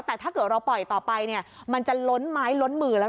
แต่ถ้าเกิดเราปล่อยต่อไปเนี่ยมันจะล้นไม้ล้นมือแล้ว